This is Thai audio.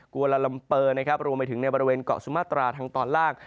วาลาลัมเปอร์นะครับรวมไปถึงในบริเวณเกาะสุมาตราทางตอนล่าง